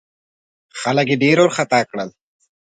خلک یې ډېر وارخطا کړل.